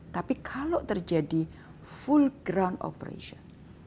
tapi kalau terjadi full ground operation